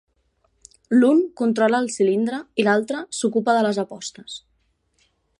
L'un controla el cilindre i l'altre s'ocupa de les apostes.